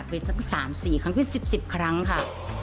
เป็นตั้ง๓๔ครั้งเป็น๑๐๑๐ครั้งค่ะ